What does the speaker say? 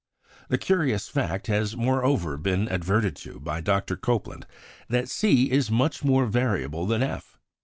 The curious fact has, moreover, been adverted to by Dr. Copeland, that C is much more variable than F.